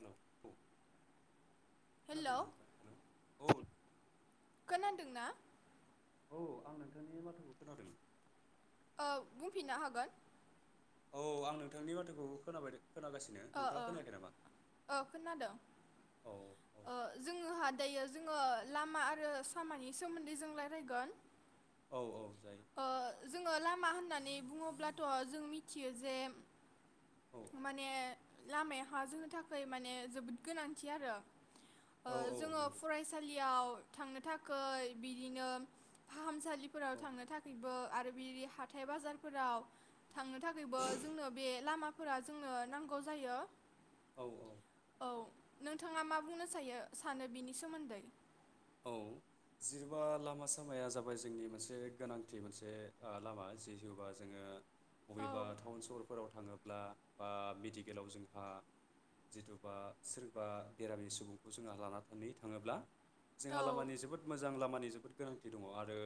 [unintelligible] Hello खोनादोंना नोंथां hello औ खोनादोंं ना औ आं नोंथांनि माथोखौ खोनादों औ बुंफिननो हागोन औ आं नोंथांनि बाथ्राखौ खोनाबायदों ओ ओ खोनादों औ औ ओ जोंहादायो जों जोङो लामा आरो सामानि सोमोन्दै जों रायलायगोन। औ औ जायो ओ जोङो लामा होननानै बुङोब्लाथ जों मिथियो जे औ माने लामाया हा जोंनि थाखाय माने जोबोद गोनांथि आरो ओ औ औ जोङो नंगौ फरायसालि याव थांनो थाखै बिदिनो फाहामसालि [unintelligible] फोराव औ थांनो था बो आरो बिदि हाथाय बाजारफोराव थांनो थाखायबो जोंनो बे लामा फोरा जोंनो नांगौ जायो। औ औ। औ नोंथाङा मा बुंनो सायो सानो बिनि सोमोन्दै? औ जिनबा लामा सामाया जाबाय जोंनि मोनसे गोनांथि मोनसे ओ लामा [unintelligible] जोङो औ बबेबा टाउन सहरफोराव थाङो ब्ला बा मेडिकेलाव जोंहा जिथुबा सोरबा बेरामि सुबुंखौ जोंहा लानानै थाङोब्ला औ जोंहा लामानि जोबोद मोजां लामानि जोबोद गोनांथि दङ आरो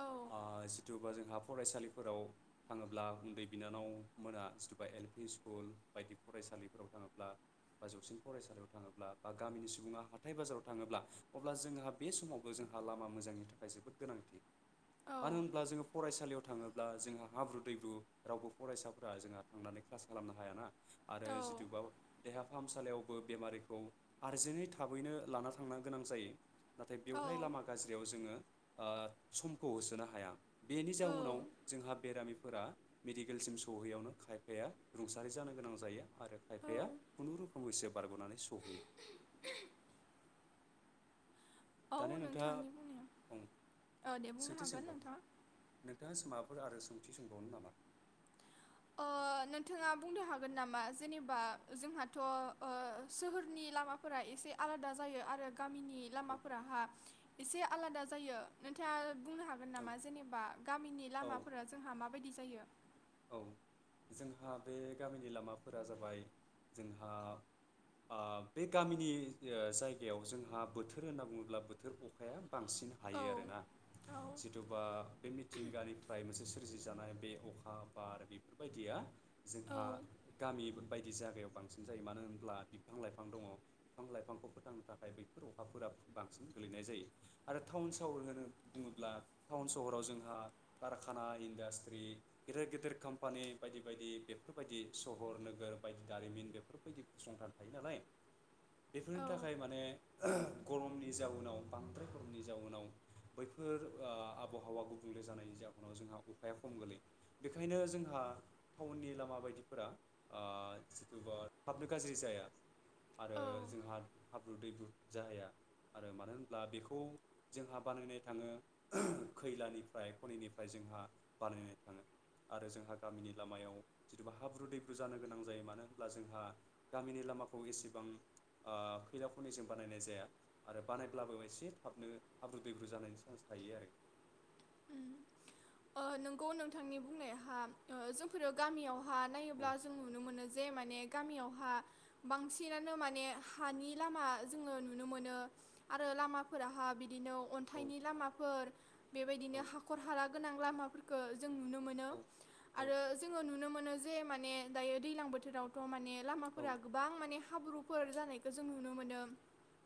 औ ओ जिथुबा जोंहा फरायसालिफोराव थाङोब्ला उन्दै बिनानाव मोना जिथुबा एल-पि स्कुल बायदि फरायसालिफोराव थाङोब्ला बा जौसिन फरायसालिया थाङोब्ला बा गामिनि सुबुङा हाथाय बाजाराव थाङोब्ला अब्ला जोंहा बे समावबो जोंहा लामा मोजांनि थाखाय जोबोद गोनांथि। औ मानो होनब्ला जोङो फरायसालियाव थाङो अब्ला जोंहा हाब्रु दैब्रु रावबो फरायसाफोरा जोंहा थांनानै क्लास खालामनो हायाना। आरो जिथुबा देहा फाहामसालियावबो बेमारिखौ आरजेन्टयै थाबैनो लाना थांना गोनां जायो। नाथाय औ बेवहाय लामा गाज्रियाव जोङो ओ समखौ होसोनो हाया बेनि जाउनाव जोंहा बेरामिफोरा मेडिकेलसिम सौहैयावनो खायफाया रुंसारि जानो गोनां जायो। आरो खायफाया औ खुनुरुखुमैसो बारगनानै सहैयो। औ दानिया नोंथांनि बुंनाया ओ दे बुंनो नोंथाङा हागोन नोंथाङा [unintelligible] फोर आरो सोंथि सोंबावनो नामा? ओ नोंथाङा बुंनो हागोन नामा जेनेबा जोंहाथ ओ सोहोरनि लामाफोरा एसे आलादा जायो आरो गामिनि औ लामाफोराहा एसे आलादा जायो नोंथाङा बुंनो हागोन नामा जेनेबा गामिनि औ लामाफोरा जोंहा माबायदि [unintelligible] औ जोंहा बे गामिनि लामाफोरा जाबाय जोंहा आ बे गामिनि जायगायाव जोंहा बोथोर होनना बुङोब्ला बोथोर अखाया बांसिन औ हायो आरोना औ जिथुबा बे मिथिंगानिफ्राय मोनसे सोरजिजानाय बे अखा बार बेफोरबायदिया जोंहा औ गामिबो बायदि जायगायाव बांसिन जायो मानो होनब्ला बिफां लाइफां दङ बिफां लाइफांखौ फोथांनो थाखाय बैफोर अखाफोरा बांसिन गोलैनाय जायो। आरो टाउन सहर होनो बुङोब्ला टाउन सहराव जोंहा कारखाना इन्डास्ट्रि गेदेर गे देर कम्पानि बायदि बायदि बेफोरबायदि सहर नोगोर बायदि दारिमिन बेफोरबायदि फसंथान थायो नालाय। बेफोरनि औ थाखाय माने गरमनि जाउनाव बांद्राय गरमनि जाउनाव बैफोर ओ आबहावा गुबुंले जानायनि जाउनाव जोंहा अखाया खम गोलैयो। बेखायनो जोंहा टाउननि लामा बायदिफोरा ओ [unintelligible] थाबनो गाज्रि जाया आरो औ जोंहा हाब्रु दैब्रु जाहैया। आरो मानो होनब्ला बेखौ जोंहा बानायनाय थाङो खैलानिफ्राय खनिनिफ्राय जोंहा बानायनाय थाङो। आरो जोंहा गामिनि लामायाव जुदिबा हाब्रु दैब्रु जानो गोनां जायो मानो होनब्ला जोंहा गामिनि लामाखौ एसेबां ओ खैला खनिजों बानायनाय जाया आरो बानायब्लाबो एसे थाबनो हाब्रु दैब्रु जानायनि चान्स थायो आरो। ओम अ नंगौ नोंथांनि बुंनायाहा ओ जोंफोरो गामियाव हा औ नायोब्ला जों नुनो मोनो। जे माने गामियावहा बांसिनानो माने हानि लामा जोङो नुनो मोनो आरो लामाफोराहा बिदिनो। औ अन्थाइनि लामाफोर बे औ नो हाखर हाला गोनां लामाफोरखो जों नुनो मोनो। औ आरो जोंङो नुनो मोनो जे माने दायो दैलां बोथोराव थ माने औ लामाफोरा गोबां माने हाब्रु फोर जानायखौ जों नुनो मोनो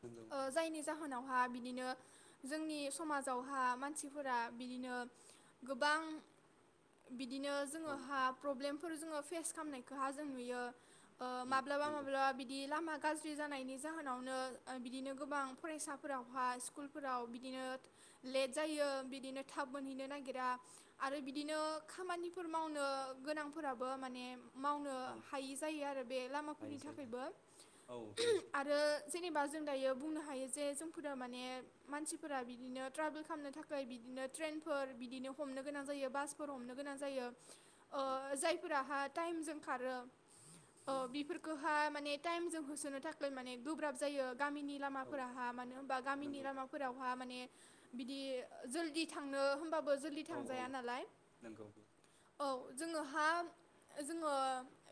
नंगौ ओ जायनि जाहोनाव हा बिदिनो जोंनि समाजावहा मानसि फोरा बिदिनो गोबां बिद दिनो जोंङो हा प्रब्लेमफोर जोंङो फेस खामनायखौ हा जों नुयो ओ माब्लाबा नंगौ माब्लाबा बिदि लामा गाज्रि जानायनि जाहोनावनो बिदिनो गोबां फरायसाफोरावहा स्कुलफोराव बिदिनो लेट जायो। बिदिनो थाब मोनहैनो नागिरा आरो बिदिनो खामानिफोर मावनो गोनांफोराबो माने मावनो औ उम नंगौ औ हायि जायो आरो बे हायो लामाफोरनि जायो थाखायबो औ बे सैथो आरो जेनेबा जों दायो बुंनो हायो जे जोंफोरा माने मानसिफोरा बिदिनो ट्राभेल खालामनो थाख फ्राय बिदिनो ट्रेनफोर बिदिनो हमनो गोनां जायो बासफोर हमनो गोनां जायो ओ औ जायफोराहा टाइमजों खारो अ औ बेफोरखौहा माने टाइमजों होसोनो थाखाय माने गोब्राब जायो। गामिनि औ लामाफोराहा मानो होनोमबा गामिनि नंगौ लामाफोरावहा माने बिदि ओ जोलदि थांनो होमबा जोलदि औ औ थांजाया नालाय नंगौ बे औ जोंङोहा जोंङो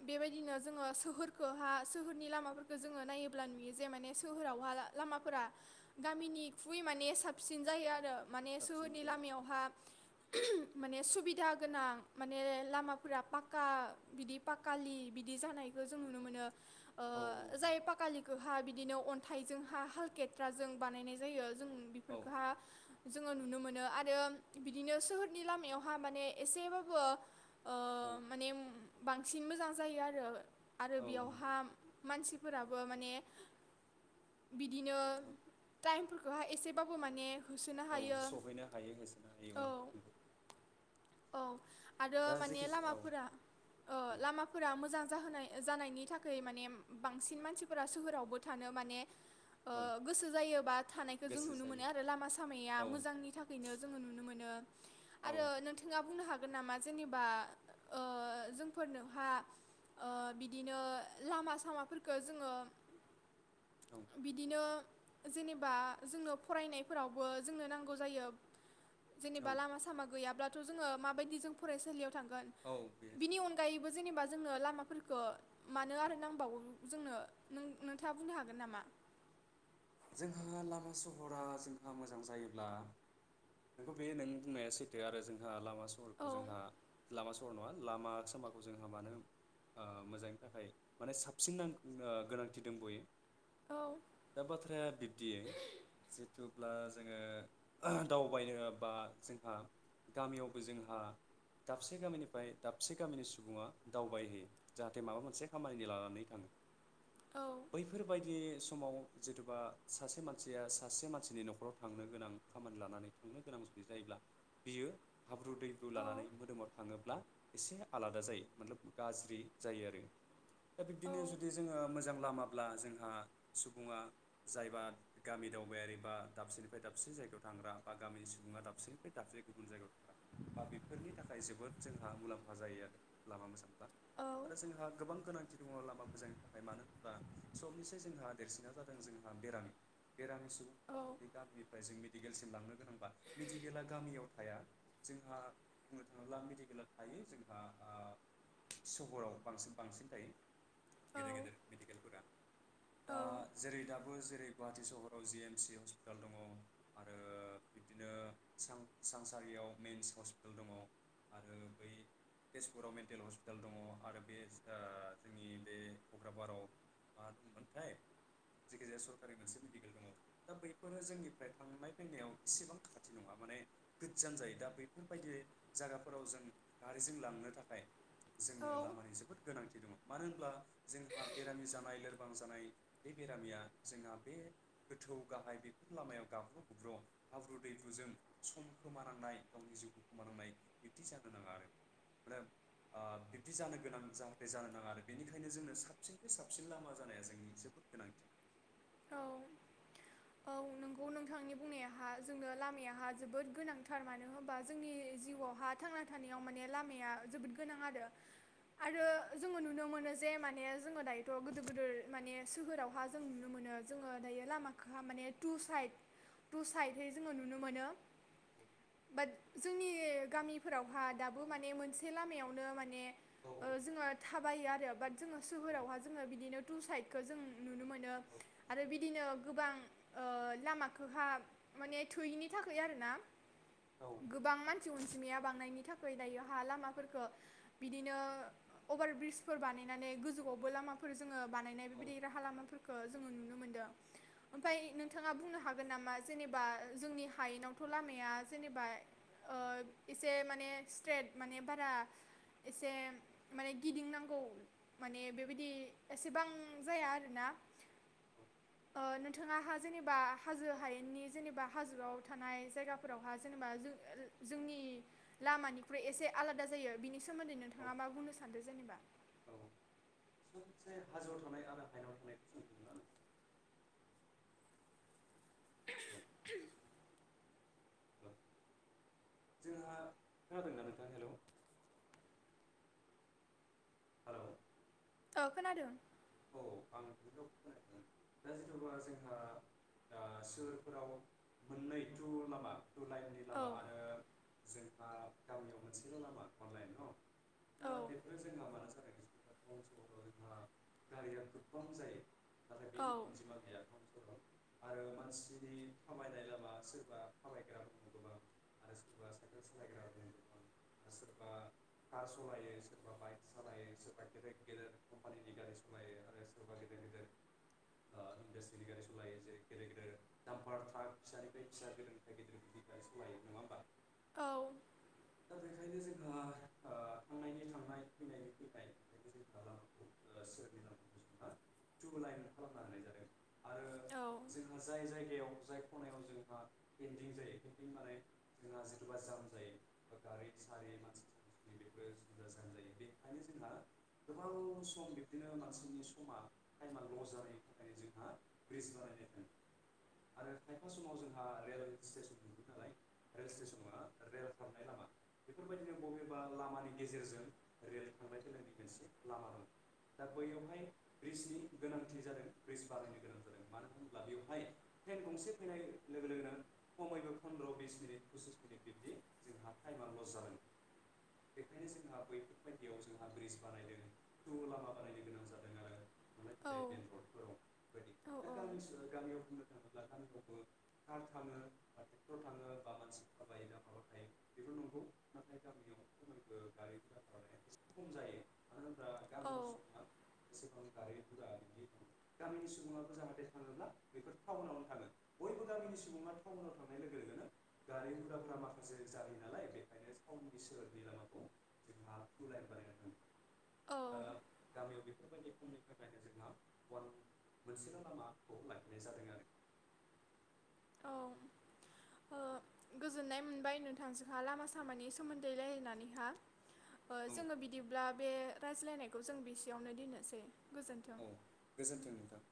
बेबायदिनो जोंङो सोहोरखोहा सोहोरनि लामाफोरखो जोंङो नायोब्ला नुयो जे माने सोहोरावहा लामाफोरा गामिनि खुइ माने साबसिन जायो आरो माने साबसिन सोहोरनि जायो लामायावहा माने सुबिदा गोनां माने लामाफोरा पाक्का बिदि पाखालि बिदि जानायखौ जों नुनो मोनो। ओ औ औ जाय पाकालिखोहा बि बिदिनो अन्थाइजों हा हाल खेथ्राजों बानायनाय जायो जों नंगौ औ बेफोरखोहा जोंङो नुनो मोनो आरो बिदिनो सोहोरनि लामायावहा माने एसेबाबो ओ औ माने बांसिन मोजां जायो आरो। आरो औ नंगौ बेयावहा मानसि फोराबो माने बिदिनो औ टाइम फो गहा एसे बाबो माने होसोनो औ हायो सहैनो हायो होसोनो हायो औ नंगौ। औ आरो दा माने जेखि औ लामाफोरा ओ औ लामाफोरा मोजां जाहोनाय जानायनि थाखाय माने औ बांसिन मानसिफोरा सोहोरावबो थानो माने औ गोसो जायोबा थानायखौ जों गोसो नुनो मोनो जायो आरो औ लामा स मैया औ मोजांनि थाखायनो जो नुनो मोनो औ आरो नोंथाङा बुंनो हागोन। हागोन नामा जेनेबा ओ जोंफोरनोहा बिदिनो लामा सामाफोरफोरखो जोङो औ बिदिनो जेनेबा जोङो फरायनायफोराव बो जोंनो नांगौ जायो। जेनेबा औ लामा सामा गैयाब्ला जोङो माबायदि जों फरायसालियाव थांगोन औ बे बिनि अनगायैबो बेबो जेनेबा जोंनो लामाफोरखो मानो औ आरो नांबावो जोंनो औ नोंथाङा बुंनो हागोन नामा? जोंहा लामा सहरा जोंहा मोजां जायोब्ला नोंखौ बे नों बुंनाया सैथो आरो जोंहा लामा औ सहरखौ जोंहा लामा सहर नङा लामा सामाखौ जोंहा मानो ओ मोजांनि थाखाय माने ओ साबसिन नां गोनांथि दंबयो औ दा बाथ्रा ओ बिब्दियै जिहेथु अब्ला जोङो दावबायनो बा जोंहा गामियावबो जोंहा दाबसे गामिनिफ्राय दाबसे गामिनि सुबुङा दावबायहोयो जाहाथे माबा मोनसे खामानि लानानै थाङो। औ बैफोरबायदि समाव जिहेथु बा सासे मानसिया सासे मानसिनि न'खराव थांनो गोनां खामानि लानानै थांनो गोनां जुदि जायोब्ला बियो हाब्रु दैब्रु औ लानानै मोदोमाव थाङोब्ला एसे आलादा जायो मोथलाब गाज्रि जायो आरो दा औ बिब्दिनो जुदि जोङो मोजां लामाब्ला जोंहा सुबुङा जायबा गामि दावबायारि बा दाबसेनिफ्राय दाबसे जायगायाव थांग्रा बा गामिनि सुबुङा दाबसेनिफ्राय दाबसे गुबुन जायगायाव थांग्रा बा बेफोरनि थाखाय जोबोद जोंहा मुलाम्फा जायो आरो लामा मोजांब्ला औ आरो जोंहा गोबां गोनांथि दङ' लामा मोजांनि थाखाय मानो होनबा समनिसे जोंहा देरसिना जादों जोंहा बेरामि बेरामि सुबुं बे गामिनिफ्राय जों दिगेलसिम लांनो होनबा मिथि गेला गामियाव थाया जोंहा बुंनो थाङोब्ला मेडिकेला थायो जोंहा आ सहराव बांसिन बांसिन थायो गेदेर गेदेर मेडिकेलफोरा औ दा दाबो जेरै गुवाहाटि सहराव जि एम सि हस्पिटाल दङ' आरो बिब्दिनो सानसारियाव मेन्स हस्पिटाल दङ' आरो बै तेजपुराव मेन्टेल हस्पिटाल दङ' आरो बे जोंनि बे कग्रााबाराव मा दंमोनथाय जायखि जाया सरकारि मोनसे मेडिकेल दङ दा बैफोरो जोंनिफ्राय थांनाय फैनायाव इसेबां खाथि नङा माने गोज्जान जायो दा बैफोरबायदि जायगाफोराव जों गारिजों लांनो थाखाय जोंनो लामानि जोबोद गोनांथि दङ मानो होनब्ला जोंहा बेरामि जानाय लोरबां जानाय बे बेरामिया जोंहा बे गोथौ गाहाय बेफोर लामायाव गाब्र' गुब्र' हाब्रु दैब्रुजों सम खोमानांनाय गावनि जिउखौ खोमानांनाय बिब्दि जानो नाङा आरो दा ओ बिब्दि जानो गोनां जाहाथे जानो नाङा आरो बेनिखायनो जोंनो साबसिननिफ्राय साबसिन लामा जानाया जोंनि जोबोद गोनांथि औ औ नोंगौ नोंथांनि बुंनायाहा जोंनो लामायाहा जोबोद गोनांथार मानो होनबा जोंनि जिउआवहा थांना थानायाव माने लामाया जोबोद गोनां आरो औ आरो जोङो नुनो मोनो जे माने जोङो दायोथ' गोदोर गोदोर माने सोहोरावहा जों नुनो मोनो जोङो दायो लामाखौहा माने टु साइद टु साइदहै जोङो नुनो मोनो औ बाट जोंनि गामिफोरावहा दाबो माने मोनसे लामायावनो माने औ ओ जोंङो थाबायो आरो बाट जोङो सोहोरावहा जोङो बिदिनो टु साइदखौ जों नुनो मोनो बिदिनो गोबां ओ लामाखौहा माने थोयैनि थाखाय आरोना औ गोबां मानसि अनजिमाया बांनायनि था खै दायोहा लामाफोरखौ बिदिनो अभार ब्रिजफोर बानायनानै गोजौआवबो लामफोर जों ङो बानायनाय औ बेबायदि राहा लामाफोर खो जों नुनो मोनदों ओमफ्राय नोंथाङा बुंनो हागोन नामा जेनेबा जोंनि हायेनावथ' लामाया जेनेबा ओ एसे माने स्ट्रेट माने बारा एसे माने गिदिंनांगौ माने बेबायदि एसेबां जाया आरोना ओ नोंथाङाहा जेनेबा हाजो हायेननि जेनेबा हाजोआव थानाय जायगाफोरावहा जेनेबा जोंनि लामानिख्रुइ एसे आलादा जायो बिनि सोमोन्दै नोंथाङा मा बुंनो सानदों जेनेबा मोनसे हाजोआव थानाय आरो हायेनाव थानाय कुइसनखौ ना जोंहा खोनादोंना नोंथां हेलौ हेलौ ओ खोनादों औ आं नोंनि रावखौ खोनायाखैमोन दा जेनबा जोंहा ओ सोहोरफोराव मोननै थु लामा टु लाइननि औ लामा आरो जोंहा गामियाव मोनसेल' लामा अनलायन न' औ ओ बेफोरो जोंहा मान जानो [inaudible] गारिया गोबबां जायो नाथाय औ बेनि अनजिमा गैया [unintelligible] आरो मानसिनि थाबायनाय लामा सोरबा थाबायग्रा दङ गोबां आरो सोरबा साइकेल सालायग्रा दङ गोबां आरो सोरबा कार सालायो सोरबा बाइक सालायो सोरबा गेदेर गेदेर कम्पानिनि गारि स सलायो आरो सोरबा गेदेर गेदेर ओ इन्डासट्रिनि गारि सालायो जेरै- गेदेर गेदेर दामफार ट्राक फिसानिफ्राय फिसा गेदेरनिफ्राय गेदेर गारि सालायो नङा होमबा औ दा बेखायनो जोंहा ओ थांनायनि थांनाय फैनायनि फैनाय बेखायनो जोंहा लामाखौ सोहोरनि लामाखौ जोंहा थु लाइन खालामना होनाय जादों। आरो जोङो जाय जायगायाव जाय खनायाव जोंहा पेन्दिं जायो पेन्दिं माने जोंहा जेथ'बा जाम थायो गारि सारि मानसि स स बेफोरो सुबा जानाय जायो बेखायनो जोंहा गोबाव सम बिब्दिनो मानसिनि समा टाइमा लस जानायनि थाखायनो जोंहा ब्रिज बानायनाय जादों आरो खायफा समाव जोंहा रेल स्टेसन मोनगोन नालाय रेल स्टेसना रेल थानाय लामा बेफोरबायदिनो बबेबा लामानि गेजेरजों रेल थांलाय फैलायनि मोनसे लामा दं दा बैयावहाय ब्रिजनि गोनांथि जादों ब्रिज बारायनो गोनां जादों मानो होनोब्ला बेवहाय ट्रेन गंसे फैनाय लोगो लोगोनो खमैबो फन्द्र' बिस मिनिट पसिस मिनिट बिब्दि जोंहा टाइमा लस जादों बेखायनो जोंहा बैफोरबायदियाव जोंहा ब्रिज बानायदों टु लामा बानायनो गोनां जादों आरो थांलाय औ फैलाय मेन रडफोराव बेबायदि दा गामि ओनसोलाव गामियावनो थाङोला थाङो [unintelligible] थाङो हाथाइफोराव थाङो बा मानसि थाबाय बे बेफोर नंगौ नाथाय गामिनियाव बयबो गारि गरा सालायनाया एसे खम जायो। मानो होमब्ला गामिनि सुबुङा एसेबां गारि गुरा बि गामिनि सुबुङाबो जाहाथे थाङोब्ला बेफोर टाउनावनो थाङो बयबो गामिनि सुबुङा टाउनाव थांनाय लोगो लोगोनो गारि गुराफोरा माखा से जायो नालाय बेखायनो सोहोरनि लामाखौ जोंहा तु लाइन बानायना थांदों‌ ओ गामियाव बेफ बेफोरबायदि खमनि थाखायनो जोंहा मोनसेल लामाखौ लाखिनाय जादों आरो औ ओ गोजोननाय मोनबाय नोंथांजोंहा लामा सामानि सोमोन्दै रायलायनानैहा ओ औ जोङो बिदिब्ला बे रायज्लायनायखौ जों बिसेयावनो दोननोसै गोजोन्थों औ गोजोन्थों नोंथां